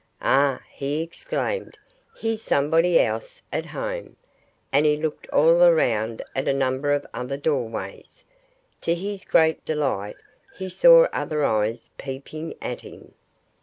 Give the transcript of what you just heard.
"Ah!" he exclaimed. "Here's somebody else at home!" And he looked all around at a number of other doorways. To his great delight he saw other eyes peeping at him.